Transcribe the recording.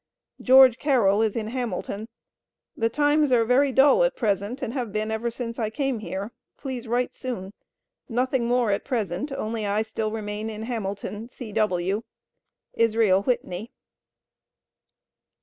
George Carroll is in Hamilton. The times are very dull at present, and have been ever since I came here. Please write soon. Nothing more at present, only I still remain in Hamilton, C.W. ISRAEL WHITNEY.